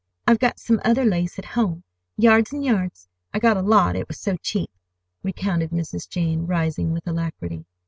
"I've got some other lace at home—yards and yards. I got a lot, it was so cheap," recounted Mrs. Jane, rising with alacrity.